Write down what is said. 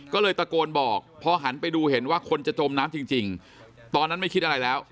ก็เลยตะโกนบอกพอหันไปดูเห็นว่าคนจะจมน้ำจริงตอนนั้นไม่คิดอะไรแล้ว